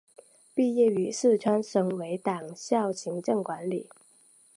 毕业于四川省委党校行政管理。